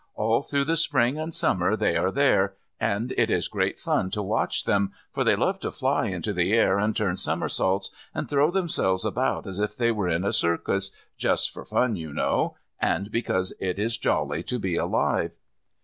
All through the spring and summer they are there, and it is great fun to watch them, for they love to fly into the air and turn somersaults, and throw themselves about as if they were in a circus, just for fun, you know, and because it is jolly to be alive.